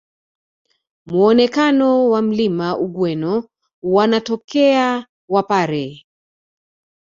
Muonekano wa Mlima Ugweno wanakotokea wapare